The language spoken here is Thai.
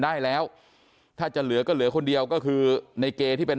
ได้แล้วถ้าจะเหลือก็เหลือคนเดียวก็คือในเกที่เป็น